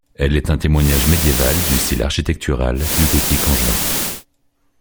Elle est un témoignage médiéval du style architectural du gothique angevin.